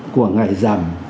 của ngày giảm